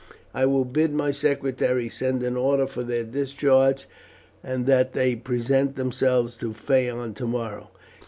I will bid my secretary send an order for their discharge, and that they present themselves to Phaon tomorrow.